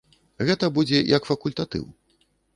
Гэта будзе як факультатыў.